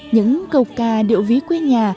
những cầu ca điệu ví quê nhà